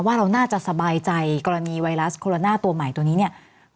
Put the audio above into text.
ว่าเราน่าจะสบายใจกรณีไวรัสโคโรนาตัวใหม่ตัวนี้เนี่ย